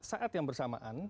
pada saat yang bersamaan